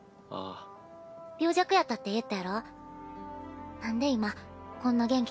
病弱やったって言ったやろ？